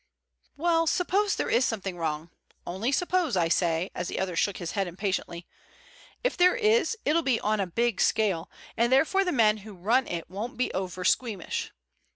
"Well, suppose there is something wrong—only suppose, I say," as the other shook his head impatiently. "If there is, it'll be on a big scale, and therefore the men who run it won't be over squeamish.